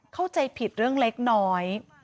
เข้าใจผิดเรื่องเล็กน้อย